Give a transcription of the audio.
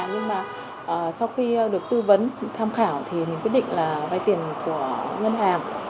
nhưng mà sau khi được tư vấn tham khảo thì mình quyết định là vay tiền của ngân hàng